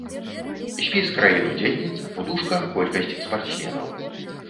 Спіс краін-удзельніц, у дужках колькасць спартсменаў.